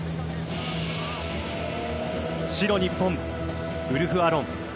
白、日本、ウルフ・アロン。